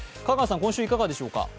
香川さん、今週いかがでしょうか？